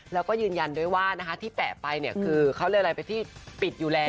แล้วก็ยืนยันด้วยว่าที่แปะไปเนี่ยคือเขาเรียกอะไรไปที่ปิดอยู่แล้ว